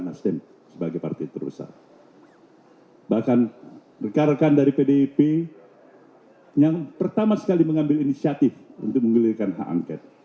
nah kita lihat ini sejauh mana progresnya berjalan